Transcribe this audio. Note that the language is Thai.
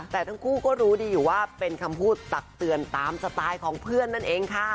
แต่ทั้งคู่ก็รู้ดีอยู่ว่าเป็นคำพูดตักเตือนตามสไตล์ของเพื่อนนั่นเองค่ะ